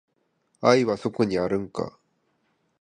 愛はそこにあるんか